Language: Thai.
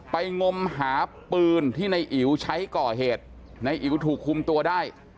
งมหาปืนที่ในอิ๋วใช้ก่อเหตุในอิ๋วถูกคุมตัวได้